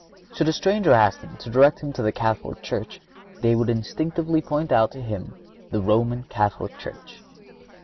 Should a stranger ask them to direct him to the Catholic Church they would instinctively point out to him the Roman Catholic Church.